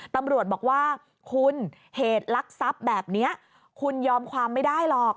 ตำรวจบอกว่าคุณเหตุลักษัพแบบนี้คุณยอมความไม่ได้หรอก